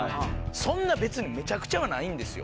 そんな別にめちゃくちゃはないんですよ。